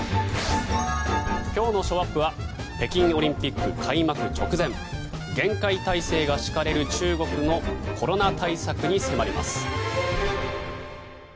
今日のショーアップは北京オリンピック開幕直前厳戒態勢が敷かれる中国のコロナ対策に迫ります。